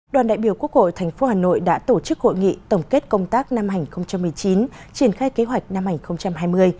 đoàn đại biểu quốc hội tp hà nội đã tổ chức hội nghị tổng kết công tác năm hai nghìn một mươi chín triển khai kế hoạch năm hai nghìn hai mươi